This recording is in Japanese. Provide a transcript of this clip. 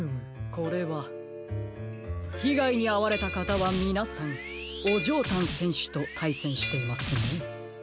これはひがいにあわれたかたはみなさんオジョータンせんしゅとたいせんしていますね。